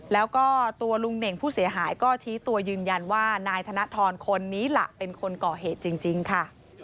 แล้วก็ตัวลุงเน่งผู้เสียหายก็ชี้ตัวยืนยันว่านายธนทรคนนี้ล่ะเป็นคนก่อเหตุจริงค่ะ